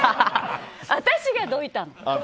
私がどいたの。